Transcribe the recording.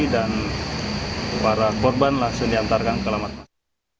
dan para korban langsung diantarkan ke rumah sakit